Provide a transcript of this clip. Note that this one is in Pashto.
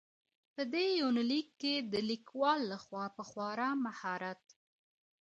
په دې يونليک کې د ليکوال لخوا په خورا مهارت.